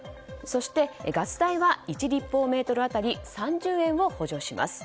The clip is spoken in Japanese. そしてガス代は１立方メートル当たり３０円を補助します。